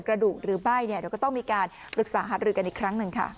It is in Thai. กระดูกหรือใบ้เนี่ยเราก็ต้องมีการรึกษาฮัดลึกกันอีกครั้งหนึ่งค่ะ